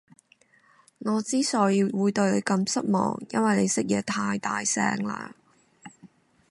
我之所以會對你咁失望，因為你食嘢太大聲喇